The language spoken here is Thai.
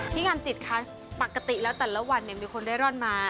พี่งามจิตคะปกติแล้วแต่ละวันเนี่ยมีคนได้รอดมา